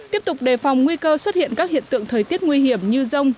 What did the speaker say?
tiếp tục đề phòng nguy cơ xuất hiện các hiện tượng thời tiết nguy hiểm như rông